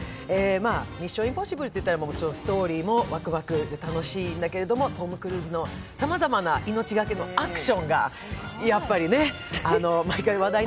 「ミッション：インポッシブル」といったらストーリーもワクワク、楽しいんだけどトム・クルーズのさまざまな命懸けのアクションが毎回話題に。